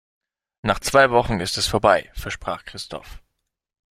Nach zwei Wochen ist es vorbei, versprach Christoph.